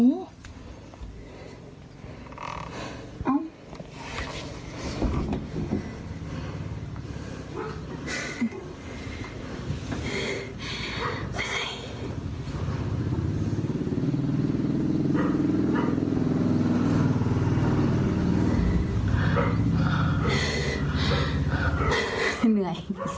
เหนื่อย